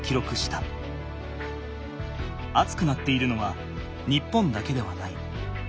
暑くなっているのは日本だけではない。